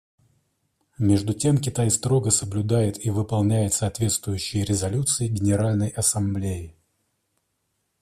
Между тем Китай строго соблюдает и выполняет соответствующие резолюции Генеральной Ассамблеи.